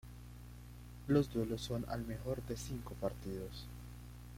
Los duelos son al mejor de cinco partidos.